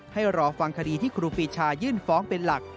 ให้รอฟังคดีที่ครูปีชายื่นฟ้องเป็นหลัก